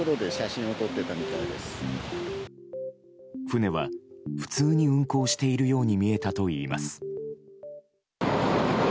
船は普通に運航しているように見えたといいます。